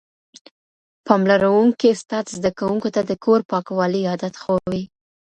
پاملرونکی استاد زده کوونکو ته د کور پاکوالي عادت ښووي.